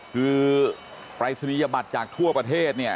คือปรายศนียบัตรจากทั่วประเทศเนี่ย